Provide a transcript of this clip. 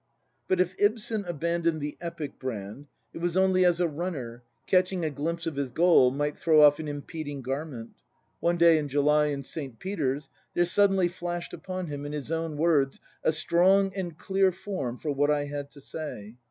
^ But if Ibsen abandoned the epic Brand, it was only as a runner, catching a glimpse of his goal, might throw off an impeding garment. One day in July, in St. Peter's, there suddenly flashed upon him, in his own words, " a strong and clear form for what I had to say."